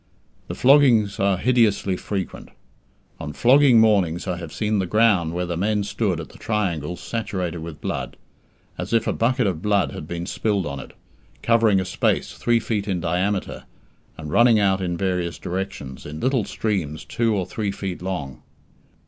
The floggings are hideously frequent. On flogging mornings I have seen the ground where the men stood at the triangles saturated with blood, as if a bucket of blood had been spilled on it, covering a space three feet in diameter, and running out in various directions, in little streams two or three feet long.